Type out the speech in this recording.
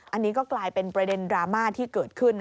อันนี้ก็กลายเป็นประเด็นดราม่าที่เกิดขึ้น